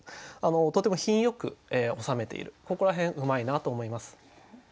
とても品よく収めているここら辺うまいなと思います。